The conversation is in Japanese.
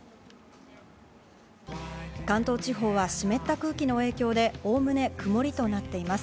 関東地方は湿った空気の影響でおおむね曇りとなっています。